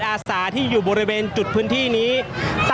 ก็น่าจะมีการเปิดทางให้รถพยาบาลเคลื่อนต่อไปนะครับ